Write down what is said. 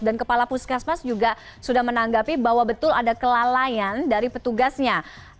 dan kepala puskesmas juga sudah menanggapi bahwa betul ada kelalaian dari petugasnya